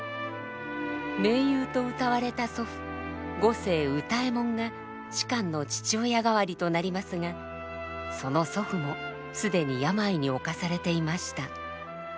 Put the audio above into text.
名優と謳われた祖父五世歌右衛門が芝の父親代わりとなりますがその祖父も既に病に侵されていました。